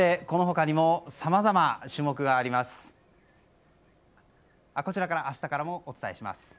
こちらから明日もお伝えします。